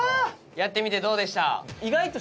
やってみてどうでした？